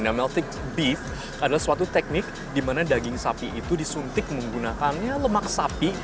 nah meltic beef adalah suatu teknik di mana daging sapi itu disuntik menggunakannya lemak sapi